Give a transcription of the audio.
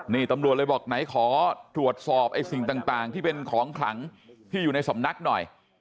นี่ตำรวจเลยบอกไหนขอตรวจสอบไอ้สิ่งต่างที่เป็นของขลังที่อยู่ในสำนักหน่อย